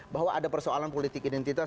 bahwa ada persoalan politik identitas